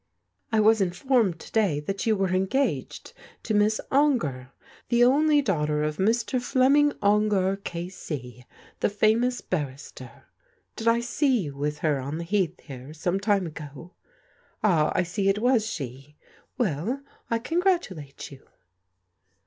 " I was informed to day that you were engaged to Miss Ongar, the only daughter of Mr. Fleming Ongar, K. C, the famous barrister. Did I see you with her on the Heath here, some time ago? Ah, I see it was she. Well, I congratulate you."